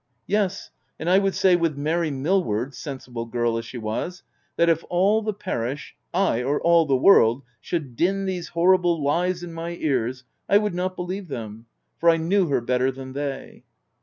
Yes^ and I would say with Mary Millward (sensible girl as she was,) that if all the parish, ay, or all the world should din these horrible lies in my ears, I would not believe them ; for I knew her better than they.